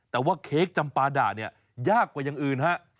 แต่ว่าเค้กจำปาด่าเนี่ยยากกว่าอย่างอื่นฮะ